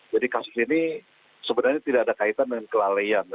jadi kasus ini sebenarnya tidak ada kaitan dengan kelalaian